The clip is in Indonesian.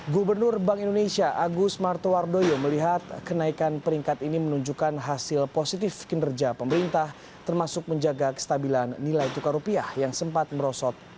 gubernur bank indonesia agus martowardoyo melihat kenaikan peringkat ini menunjukkan hasil positif kinerja pemerintah termasuk menjaga kestabilan nilai tukar rupiah yang sempat merosot